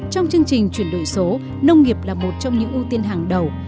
trong chương trình chuyển đổi số nông nghiệp là một trong những ưu tiên hàng đầu